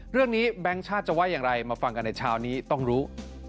เรื่องนี้แบงค์ชาติจะไหว้อย่างไรมาฟังกันในเช้านี้ต้องรู้